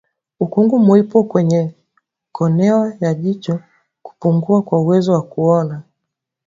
Ukungu mweupe kwenye konea ya jicho kupungua kwa uwezo wa kuona